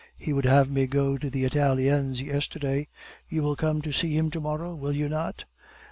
He would have me go to the Italiens yesterday. You will come to see him to morrow, will you not?"